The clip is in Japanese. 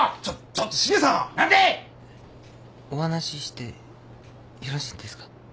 お話ししてよろしいんですか？